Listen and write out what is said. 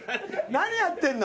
何やってんの？